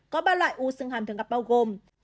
có ba loại u xương hàm thường gặp bao gồm